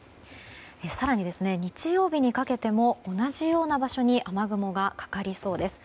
更に、日曜日にかけても同じような場所に雨雲がかかりそうです。